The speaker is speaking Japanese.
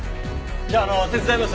じゃあ手伝います。